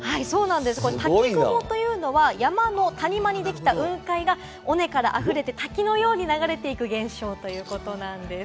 滝雲というのは、山の谷間にできた雲海が尾根からあふれて滝のように流れていく現象ということなんです。